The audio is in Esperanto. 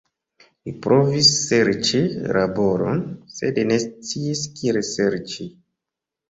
Li provis serĉi laboron, sed ne sciis kiel serĉi.